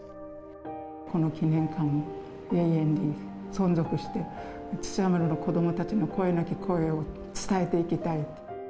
この記念館を永遠に存続して、対馬丸の子どもたちの声なき声を伝えていきたいと。